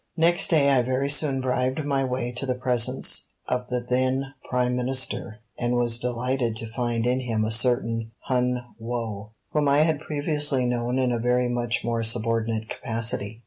Next day I very soon bribed my way to the presence of the then Prime Minister, and was delighted to find in him a certain Hun Woe, whom I had previously known in a very much more subordinate capacity.